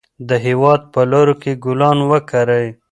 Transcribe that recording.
د هېواد په لارو کې ګلان وکرئ.